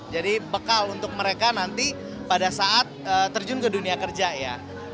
jadi bekal untuk mereka nanti pada saat terjun ke dunia kerja ya